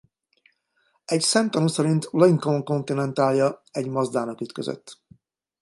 Egy szemtanú szerint Lincoln Continentalja egy Mazdának ütközött.